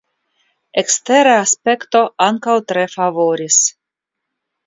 Ekstera aspekto ankaŭ tre favoris.